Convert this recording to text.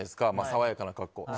爽やかな格好で。